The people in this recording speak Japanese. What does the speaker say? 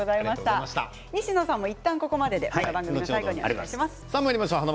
西野さんもいったんここまでで番組の最後お願いします。